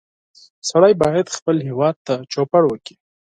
سړی باید خپل هېواد ته چوپړ وکړي